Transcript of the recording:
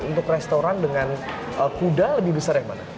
untuk restoran dengan kuda lebih besar yang mana